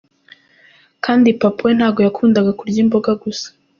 Kandi papa we ntago yakundaga kurya imboga gusa.